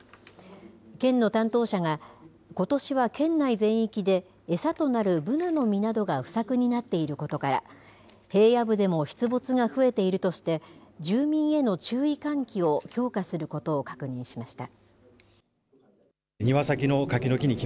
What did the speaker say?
県の担当者が、ことしは県内全域で餌となるブナの実などが不作になっていることから、平野部でも出没が増えているとして、住民への注意喚起を強化することを確認しました。